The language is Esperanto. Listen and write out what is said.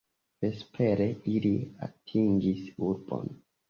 Vespere ili atingis urbon.